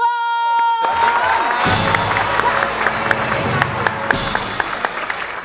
สวัสดีครับ